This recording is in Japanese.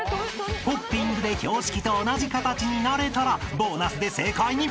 ［ホッピングで標識と同じ形になれたらボーナスで正解に。